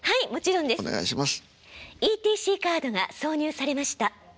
「ＥＴＣカードが挿入されました」。